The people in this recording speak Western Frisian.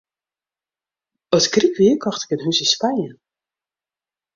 As ik ryk wie, kocht ik in hûs yn Spanje.